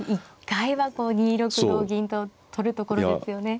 一回はこう２六同銀と取るところですよね。